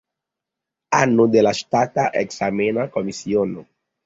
Ano de la ŝtata ekzamena komisiono.